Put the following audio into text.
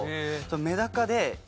メダカで。